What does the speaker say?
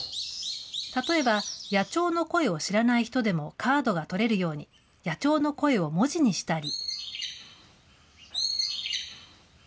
例えば、野鳥の声を知らない人でもカードが取れるように、野鳥の声を文字にしたり。